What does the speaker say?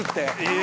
え！